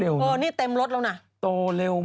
โอ้นี่เต็มรถแล้วนะ